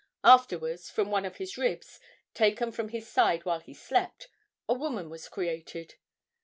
Afterwards, from one of his ribs, taken from his side while he slept, a woman was created.